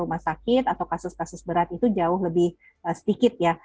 rumah sakit atau kasus kasus berat itu jauh lebih sedikit ya